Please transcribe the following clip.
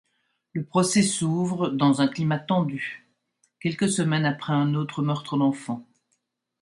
Le procès s'ouvre dans un climat tendu, quelques semaines après un autre meutre d'enfant.